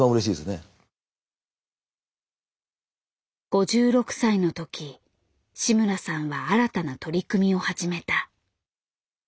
５６歳の時志村さんは新たな取り組みを始めた。